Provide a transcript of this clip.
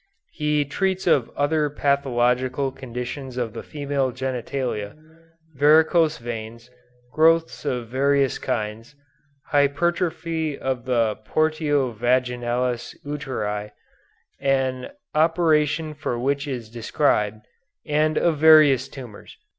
He treats of other pathological conditions of the female genitalia, varicose veins, growths of various kinds, hypertrophy of the portio vaginalis uteri, an operation for which is described, and of various tumors.